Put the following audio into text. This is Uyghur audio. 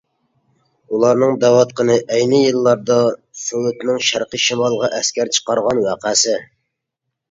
ئۇلارنىڭ دەۋاتقىنى ئەينى يىللاردا سوۋېتنىڭ شەرقىي شىمالغا ئەسكەر چىقارغان ۋەقەسى.